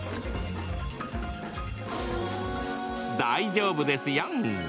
大丈夫ですよん！